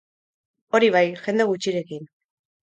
Hori bai, jende gutxirekin.